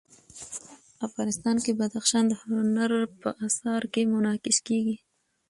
افغانستان کې بدخشان د هنر په اثار کې منعکس کېږي.